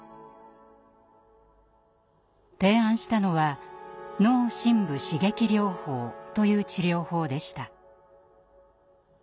提案したのは「脳深部刺激療法」という治療法でした。